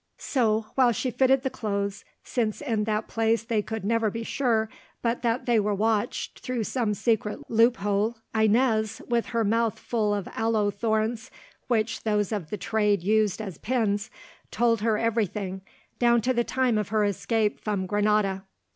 So, while she fitted the clothes, since in that place they could never be sure but that they were watched through some secret loophole, Inez, with her mouth full of aloe thorns, which those of the trade used as pins, told her everything down to the time of her escape from Granada.